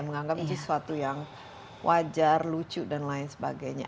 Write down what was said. menganggap sesuatu yang wajar lucu dan lain sebagainya